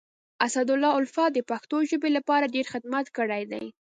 اسدالله الفت د پښتو ژبي لپاره ډير خدمت کړی دی.